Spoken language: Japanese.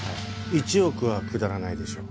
１億は下らないでしょう。